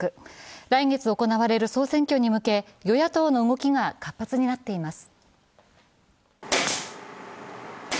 来月行われる総選挙に向け、与野党の動きが活発になっています。